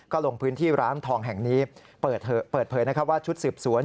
ก็ลงพื้นที่ร้านทองแห่งนี้เปิดเผยนะครับว่าชุดสืบสวน